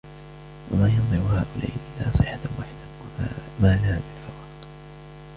وما ينظر هؤلاء إلا صيحة واحدة ما لها من فواق